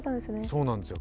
そうなんですよ。